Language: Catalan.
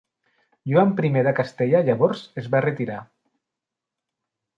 Joan I de Castella llavors es va retirar.